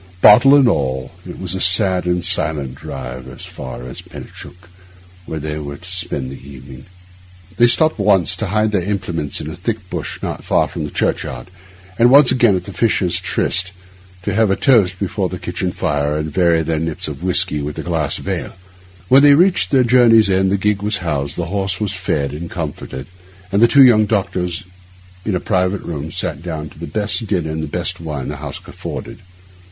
Bottle and all, it was a sad and silent drive as far as Penicuik, where they were to spend the evening. They stopped once, to hide their implements in a thick bush not far from the churchyard, and once again at the Fisher's Tryst, to have a toast before the kitchen fire and vary their nips of whisky with a glass of ale. When they reached their journey's end the gig was housed, the horse was fed and comforted, and the two young doctors in a private room sat down to the best dinner and the best wine the house afforded.